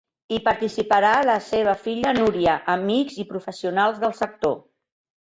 Hi participarà la seva filla Núria, amics i professionals del sector.